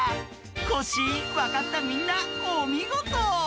コッシーわかったみんなおみごと。